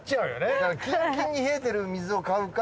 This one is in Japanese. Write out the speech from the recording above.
だからキンキンに冷えてる水を買うか